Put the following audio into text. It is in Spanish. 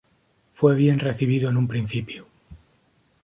Fue bien recibido en un principio.